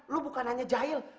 lo bukan hanya jahil